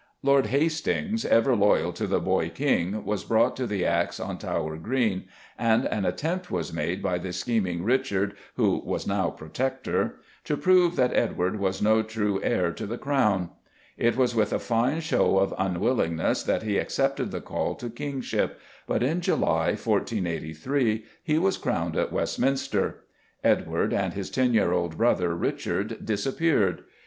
Lord Hastings, over loyal to the boy King was brought to the axe on Tower Green, and an attempt was made by the scheming Richard, who was now Protector, to prove that Edward was no true heir to the Crown. It was with a fine show of unwillingness that he accepted the call to kingship, but in July, 1483, he was crowned at Westminster. Edward, and his ten year old brother, Richard, disappeared.